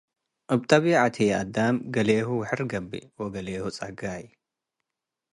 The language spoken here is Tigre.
እብ ጠቢዐት ህዬ፡ አዳም ገሌሁ ውሕር ገብእ ወገሌሁ ጸጋይ ።